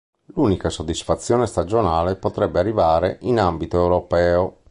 L'unica soddisfazione stagionale potrebbe arrivare in ambito europeo.